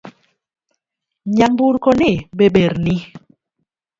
Nyamburko ni be ber ni?